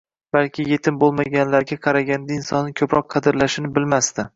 balki yetim bo'lmaganlarga qaraganda insonni ko'proq qadrlashini bilmasdi.